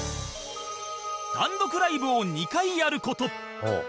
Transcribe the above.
単独ライブを２回やる事